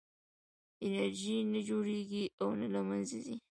انرژي نه جوړېږي او نه له منځه ځي.